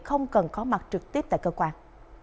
không cần có mặt trực tiếp tại cơ quan